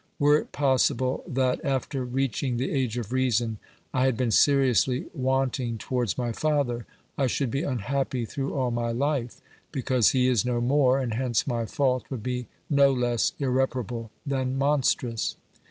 Were it possible that, after reach ing the age of reason, I had been seriously wanting towards my father, I should be unhappy through all my life, because he is no more, and hence my fault would be no less irre parable than monstrous.